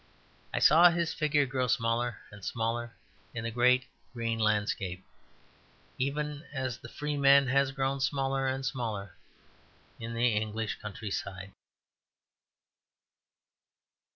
I saw his figure grow smaller and smaller in the great green landscape; even as the Free Man has grown smaller and smaller in the English countryside.